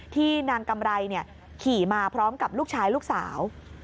ที่นางกำไรขี่มาพร้อมกับลูกชายลูกสาว